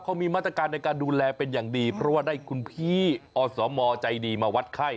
เขามีมาตรการในการดูแลเป็นอย่างดีเพราะว่าได้คุณพี่อสมใจดีมาวัดไข้